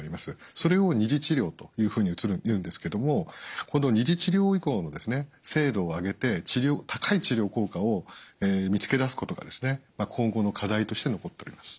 それを２次治療というふうに言うんですけどもこの２次治療以降の精度を上げて高い治療効果を見つけ出すことが今後の課題として残っております。